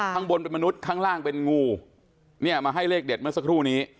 ข้างบนเป็นมนุษย์ข้างล่างเป็นงูเนี่ยมาให้เลขเด็ดเมื่อสักครู่นี้